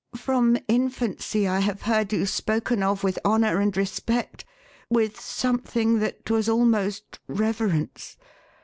From infancy, I have heard you spoken of with honour and respect — with some thing that was almost reverence.